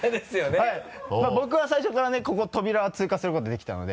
はいまぁ僕は最初からねここ扉は通過することできたので。